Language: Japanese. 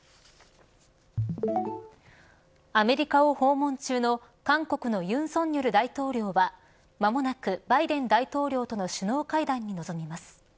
アメリカを訪問中の韓国の尹錫悦大統領は間もなくバイデン大統領との首脳会談に臨みます。